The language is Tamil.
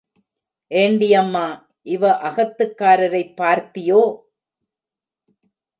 ஏண்டி அம்மா, இவ அகத்துக்காரரைப் பார்த்தியோ?.